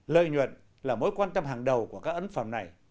lợi nhuận là mối quan tâm hàng đầu của các ấn phẩm này